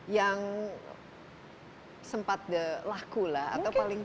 yang sempat dilakukan